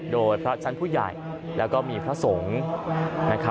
โดยพระชั้นผู้ใหญ่แล้วก็มีพระสงฆ์